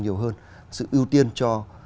nhiều hơn sự ưu tiên cho